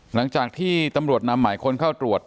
หลังจากที่ตำรวจนำหมายคนเข้าตรวจ